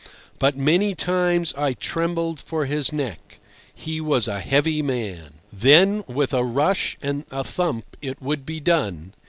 But many times I trembled for his neck. He was a heavy man. Then with a rush and a thump it would be done.